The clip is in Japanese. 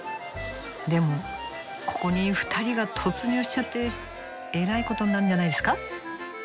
でもここに２人が突入しちゃってえらいことになるんじゃないですか？